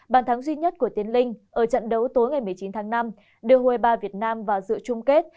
bàn thắng duy nhất của tiến linh ở trận đấu tối ngày một mươi chín tháng năm đưa u hai mươi ba việt nam vào dự trung kết